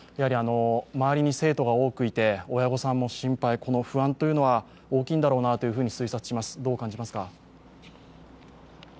周りに生徒が多くいて親御さんも心配、この不安というのは大きいんだろうなと推察します、どう感じますか？